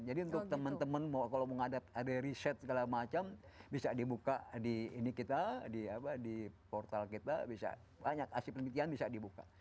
jadi untuk teman teman kalau mau ada riset segala macam bisa dibuka di ini kita di portal kita bisa banyak asli penelitian bisa dibuka